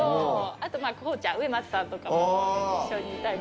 あとまぁ晃ちゃん植松さんとかも一緒にいたり。